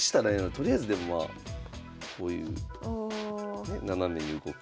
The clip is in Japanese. とりあえずでもまあこういうナナメに動く。